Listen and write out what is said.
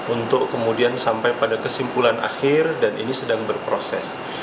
untuk kemudian sampai pada kesimpulan akhir dan ini sedang berproses